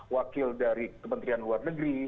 wakil dari kpm agung